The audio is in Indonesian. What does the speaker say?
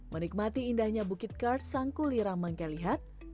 menikmati indahnya bukit kars sangku lirang mangkalihat